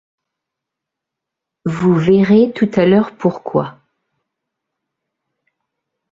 Vous verrez tout à l’heure pourquoi!